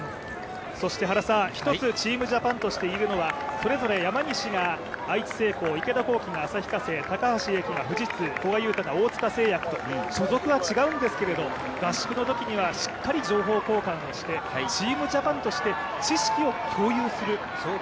そして一つ、チームジャパンとして言えるのは、山西が愛知製鋼、池田向希が旭化成高橋英輝が富士通古賀友太が大塚製薬と所属は違うんですけど合宿のときにはしっかり情報交換をしてチームジャパンとして知識を共有する。